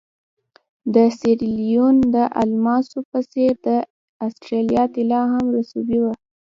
د سیریلیون د الماسو په څېر د اسټرالیا طلا هم رسوبي وه.